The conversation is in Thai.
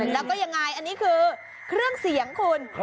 แล้วก็ยังไงอันนี้คือเครื่องเสียงคุณ